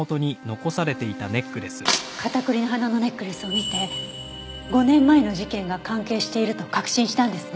カタクリの花のネックレスを見て５年前の事件が関係していると確信したんですね。